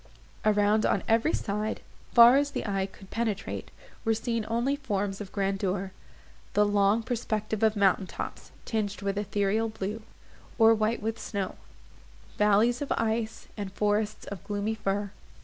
Around, on every side, far as the eye could penetrate, were seen only forms of grandeur—the long perspective of mountain tops, tinged with ethereal blue, or white with snow; valleys of ice, and forests of gloomy fir.